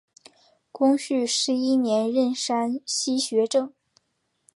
光绪十一年任山西学政。